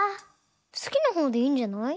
すきなほうでいいんじゃない？